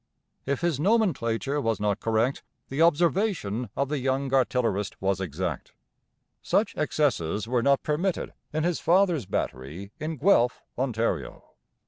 If his nomenclature was not correct, the observation of the young artillerist was exact. Such excesses were not permitted in his father's battery in Guelph, Ontario.